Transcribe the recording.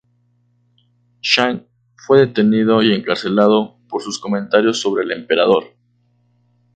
Zhang fue detenido y encarcelado por sus comentarios sobre el emperador.